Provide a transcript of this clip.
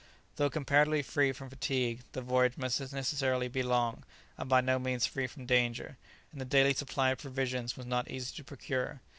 Though comparatively free from fatigue, the voyage must necessarily be long, and by no means free from danger, and the daily supply of provisions was not easy to procure.